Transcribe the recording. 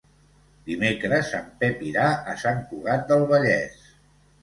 Dimecres en Pep irà a Sant Cugat del Vallès.